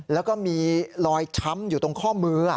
แล้วก็มีรอยช้ำอยู่ตรงข้อมือ